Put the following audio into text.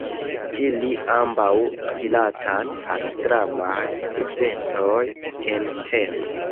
Ili ambaŭ rilatas al dramaj eventoj en Tebo.